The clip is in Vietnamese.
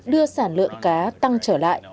đưa sản lượng cá tăng trở lại